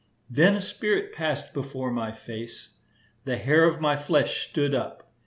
Then a spirit passed before my face; the hair of my flesh stood up.